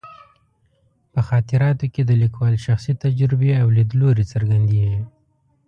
په خاطراتو کې د لیکوال شخصي تجربې او لیدلوري څرګندېږي.